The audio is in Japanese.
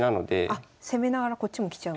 あっ攻めながらこっちも来ちゃう。